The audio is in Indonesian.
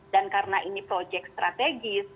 dan karena ini proyek strategis